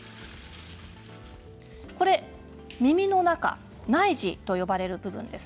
これ耳の中内耳と呼ばれる部分です。